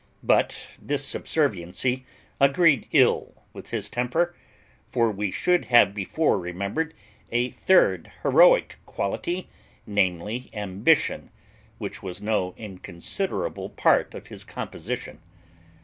But this subserviency agreed ill with his temper; for we should have before remembered a third heroic quality, namely, ambition, which was no inconsiderable part of his composition.